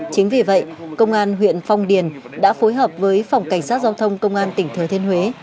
chính vì vậy công an huyện phong điền đã phối hợp với phòng cảnh sát giao thông công an tỉnh thừa thiên huế